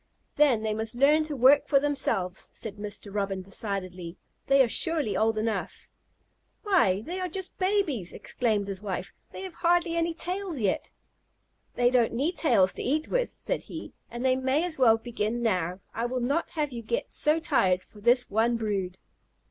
"Then they must learn to work for themselves," said Mr. Robin decidedly. "They are surely old enough." "Why, they are just babies!" exclaimed his wife. "They have hardly any tails yet." "They don't need tails to eat with," said he, "and they may as well begin now. I will not have you get so tired for this one brood."